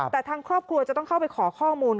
แต่ทางครอบครัวจะต้องเข้าไปขอข้อมูล